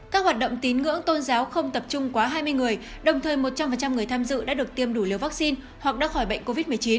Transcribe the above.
các hoạt động tín ngưỡng tôn giáo không tập trung quá hai mươi người đồng thời một trăm linh người tham dự đã được tiêm đủ liều vaccine hoặc đã khỏi bệnh covid một mươi chín